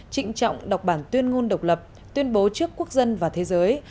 trịnh trọng đọc bản tuyên ngôn độc lập tuyên bố trước quốc dân và thế giới